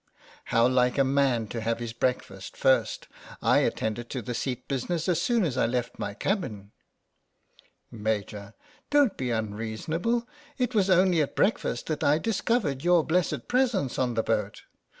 : How like a man to have his break fast first. I attended to the seat business as soon as I left my cabin. Maj\ : Don't be unreasonable. It was only at breakfast that I discovered your blessed presence on the boat.